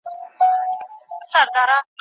چي فلک به کوږ ورګوري دښمن زما دی